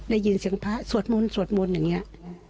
ได้ยินเสียงพระสวดมุนสวดมุนอย่างเงี้ย